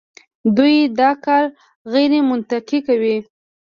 دوی دا کار غیرمنطقي کوي.